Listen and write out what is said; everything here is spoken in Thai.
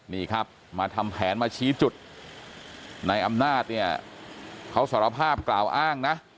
นี่ครับมาทำแผนมาชี้จุดในอำนาจเนี่ยเขาสารภาพกล่าวอ้างนะ